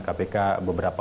kemenangan kasus korupsi